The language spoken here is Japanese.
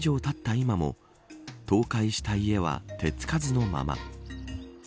今も倒壊した家は、手付かずのまま。